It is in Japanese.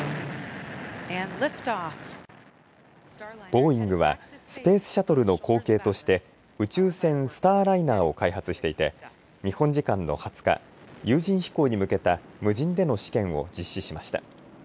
ボーイングはスペースシャトルの後継として宇宙船スターライナーを開発していて日本時間の２０日、有人飛行に向けた無人での試験を実施しました。